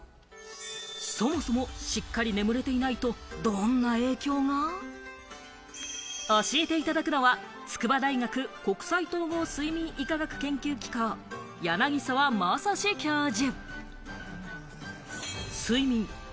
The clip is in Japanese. そもそも、しっかり眠れていないと、どんな影響が？教えていただくのは、筑波大学国際統合睡眠医科学研究機構・柳沢正史教授。